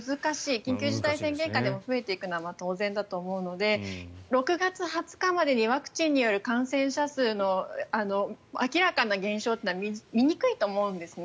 緊急事態宣言下でも増えていくのは当然だと思うので６月２０日までにワクチンによる感染者数の明らかな減少というのは見にくいと思うんですね。